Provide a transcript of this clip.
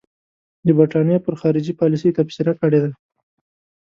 د برټانیې پر خارجي پالیسۍ تبصره کړې ده.